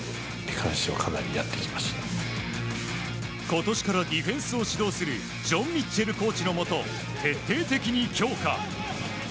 今年からディフェンスを指導するジョン・ミッチェルコーチのもと徹底的に強化。